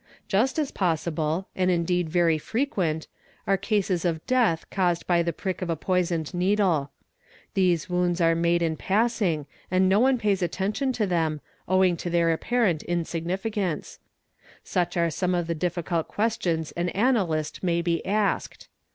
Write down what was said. Just as possible, and indeed very frequent, are cases of death caused by the prick of a 3. poisoned needle. These wounds are made in passing and no one pays Battention to them, owing to their apparent insignificance"®, Such are some of the difficult questions an analyst may be asked.